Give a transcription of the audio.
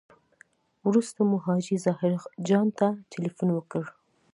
وروسته مو حاجي ظاهر جان ته تیلفون وکړ.